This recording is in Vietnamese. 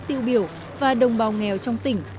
tiêu biểu và đồng bào nghèo trong tỉnh